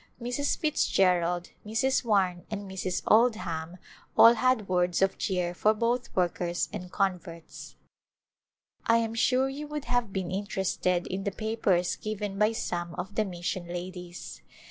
Mrs. Fitz gerald, Mrs. Warne and Mrs. Oldham all had words of cheer for both workers and converts. I am sure you would have been interested in the papers given by some of the mission ladies.